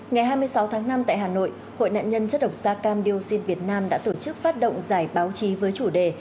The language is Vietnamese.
ngày hai mươi sáu tháng năm tại hà nội hội nạn nhân chất độc da cam dioxin việt nam đã tổ chức phát động giải báo chí với chủ đề